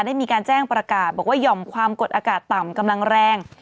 ได้มีการแจ้งประกาศบอกว่าหย่อมความกดอากาศต่ำกำลังแรง